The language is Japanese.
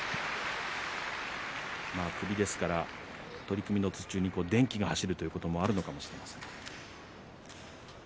首ですから取組の途中に電気が走るということがあるのかもしれません。